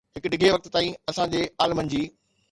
هڪ ڊگهي وقت تائين، اسان جي عالمن جي